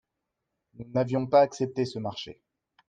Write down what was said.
Nous n’avions pas accepté ce marché.